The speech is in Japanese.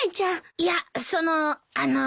いやそのあの。